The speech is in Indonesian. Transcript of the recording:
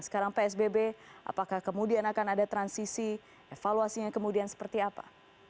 sekarang psbb apakah kemudian akan ada transisi evaluasinya kemudian seperti apa